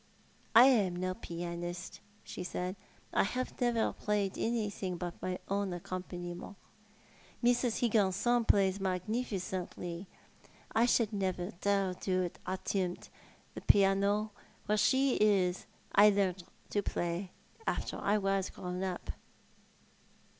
" I am no pianist/' she said. "I have never played anything but my own accompaniments. Miss Higginson plays magnifi cently. I should never dare to attempt the piano where she is. I only learnt to play after I was grown up."